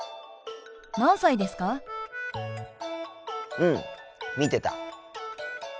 うん見てた。